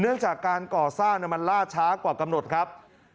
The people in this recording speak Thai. เรื่องจากการก่อสร้างมันล่าช้ากว่ากำหนดครับ